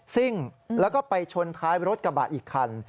ซิ่งแล้วก็ไปชนท้ายรถกระบะอีกคัน